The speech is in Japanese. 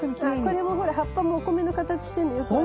これもほら葉っぱもお米の形してんのよく分かるでしょ。